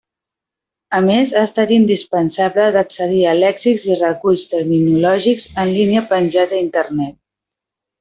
A més, ha estat indispensable d'accedir a lèxics i reculls terminològics en línia penjats a Internet.